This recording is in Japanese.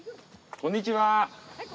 こんにちは。